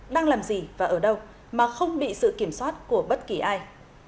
đang làm gì và ở đâu mà không bị sự kiểm soát của bất kỳ ai